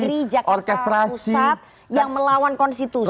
negeri jakarta pusat yang melawan konstitusi